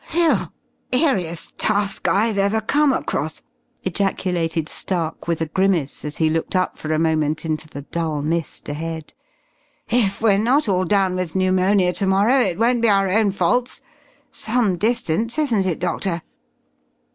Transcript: "Whew! Eeriest task I've ever come across!" ejaculated Stark with a grimace as he looked up for a moment into the dull mist ahead. "If we're not all down with pneumonia to morrow, it won't be our own faults!... Some distance, isn't it, Doctor?"